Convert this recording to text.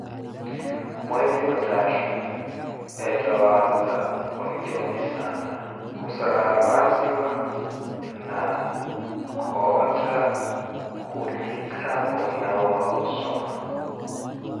Mweze wa thaathu, eetha waza ohitxonissana, khussala alwaziwa na khootha, khulika oolawa ossomima